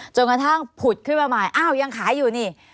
กระทั่งผุดขึ้นมาใหม่อ้าวยังขายอยู่นี่